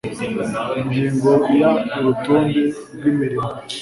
ingingo ya urutonde rw imirimo